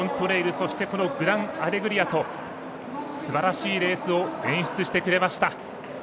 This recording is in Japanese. そして、グランアレグリアとすばらしいレースを演出してくれました。